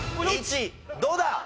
どうだ！？